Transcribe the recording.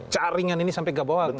caringan ini sampai ke bawah